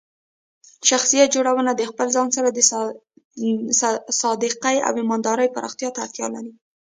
شخصیت جوړونه د خپل ځان سره د صادقۍ او ایماندارۍ پراختیا ته اړتیا لري.